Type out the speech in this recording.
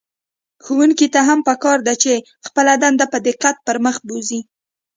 ښوونکي ته هم په کار ده چې خپله دنده په دقت پر مخ بوځي.